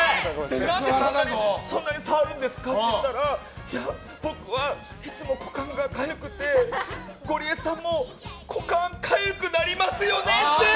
何でそんなに触るんですかって言ったら僕は、いつも股間がかゆくてゴリエさんも股間かゆくなりますよねって！